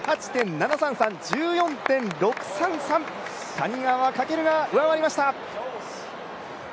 谷川翔が上回りました。